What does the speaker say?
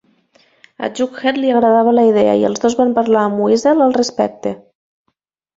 A Jughead li agradava la idea i els dos van parlar amb Weasel al respecte.